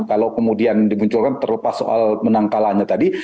kalau kemudian dibunculkan terlepas soal menang kalahannya tadi